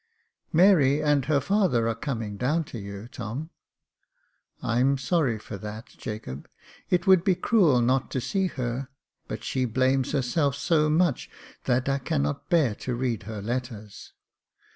" Mary and her father are coming down to you, Tom." I'm sorry for that, Jacob ; it would be cruel not to see her — but she blames herself so much that I cannot bear to read her letters.